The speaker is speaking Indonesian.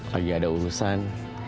lagi ada urusan